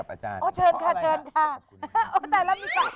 รู้สึกได้รับเกียรตินั้น